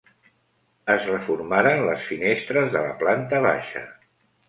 Es reformaren les finestres de la planta baixa.